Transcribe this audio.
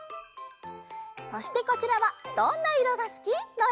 そしてこちらは「どんな色がすき」のえ。